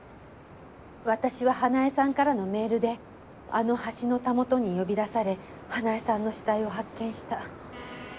私は花絵さんからのメールであの橋のたもとに呼び出され花絵さんの死体を発見した。